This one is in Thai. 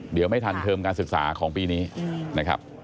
เดี๋ยวไม่ทันเทอมการศึกษาของปีนี้นะครับ